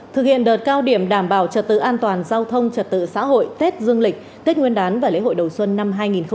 thực hiện đợt cao điểm đảm bảo trật tự an toàn giao thông trật tự xã hội tết dương lịch tết nguyên đán và lễ hội đầu xuân năm hai nghìn hai mươi